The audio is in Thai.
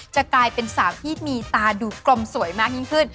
จะกลายเป็นสาวที่มีตาดูกลมสวยมากยิ่งขึ้น